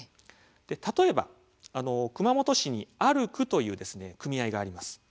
例えば、熊本市に「あるく」という組合があります。